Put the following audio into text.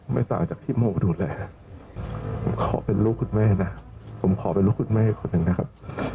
ต่างจากที่โมดูแลผมขอเป็นลูกคุณแม่นะผมขอเป็นลูกคุณแม่คนหนึ่งนะครับ